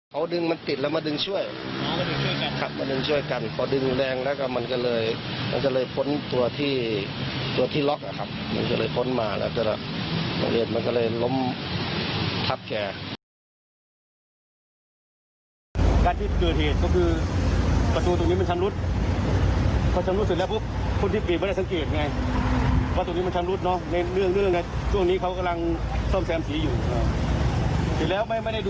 การทดลองทับแช้